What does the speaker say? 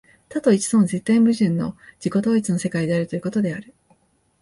多と一との絶対矛盾の自己同一の世界であるということである。